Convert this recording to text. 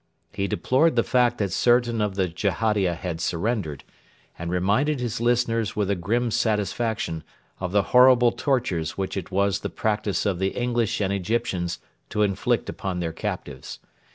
He deplored the fact that certain of the Jehadia had surrendered, and reminded his listeners with a grim satisfaction of the horrible tortures which it was the practice of the English and Egyptians to inflict upon their captives.